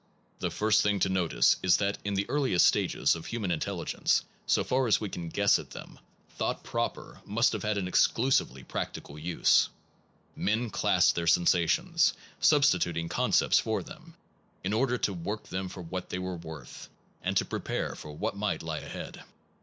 The first thing to notice is that in the earliest stages of human intelligence, so far as we can guess at them, thought proper must have had an exclusively practical use. Men classed their Origin of sensations, substituting concepts for in^heif 3 them, in order to work them for utility what they were worth/ and to pre pare for what might lie ahead.